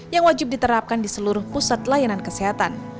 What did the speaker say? yang wajib diterapkan di seluruh pusat layanan kesehatan